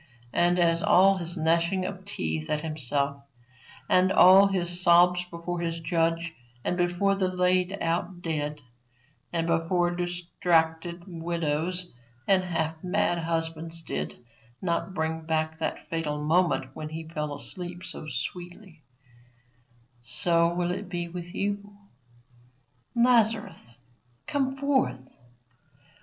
And as all his gnashing of teeth at himself, and all his sobs before his judge and before the laid out dead, and before distracted widows and half mad husbands did not bring back that fatal moment when he fell asleep so sweetly, so will it be with you. Lazarus! come forth!